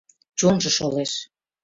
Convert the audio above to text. Чонжо шолеш.